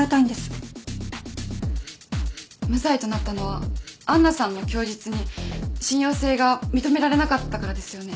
無罪となったのは杏奈さんの供述に信用性が認められなかったからですよね？